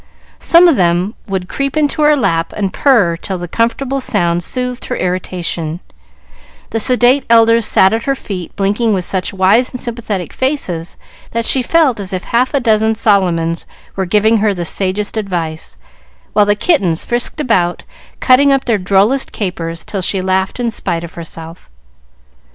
Some of them would creep into her lap and purr till the comfortable sound soothed her irritation; the sedate elders sat at her feet blinking with such wise and sympathetic faces, that she felt as if half a dozen Solomons were giving her the sagest advice; while the kittens frisked about, cutting up their drollest capers till she laughed in spite of herself.